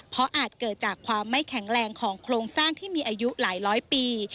เพราะอาจเกิดจากความไม่แข็งแรงของโครงสร้างที่มีอายุหลายร้อยปี